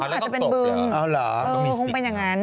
อ๋อแล้วก็ตกเหรออ๋อหรอคงเป็นอย่างนั้น